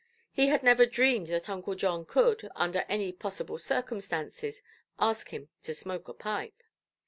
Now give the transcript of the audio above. He had never dreamed that Uncle John could, under any possible circumstances, ask him to smoke a pipe.